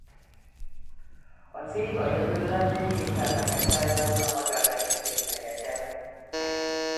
A cég a jövőben új éttermeket tervez a magyar megyeszékhelyeken.